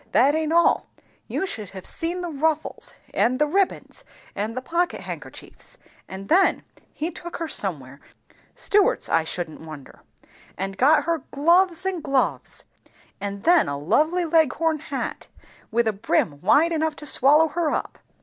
That aint all; you should have seen the ruffles, and the ribbands, and the pockethandkerchiefs; and then he took her somewhere, Stewart's, I shouldn't wonder, and got her gloves and gloves; and then a lovely Leghorn hat, with a brim wide enough to swallow her up.